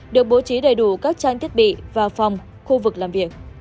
được bố trí đầy đủ các trang thiết bị và phòng khu vực làm việc